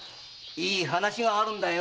いい話があるんだよ。